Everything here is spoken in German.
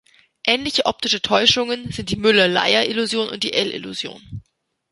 Ähnliche optische Täuschungen sind die Müller-Lyer-Illusion und die L-Illusion.